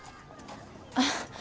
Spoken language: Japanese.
あっ。